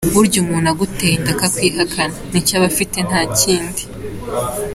Burya umuntu aguteye inda akakwihakana, nicyo aba afite nta kindi.